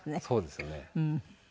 そうですよね。